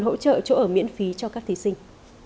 hỗ trợ chỗ ở miễn phí cho các thí sinh